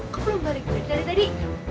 kok belum balik dari tadi